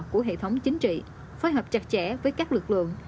của hệ thống chính trị phối hợp chặt chẽ với các lực lượng